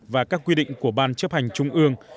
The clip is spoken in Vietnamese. và các quy định của ban chấp hành trung ương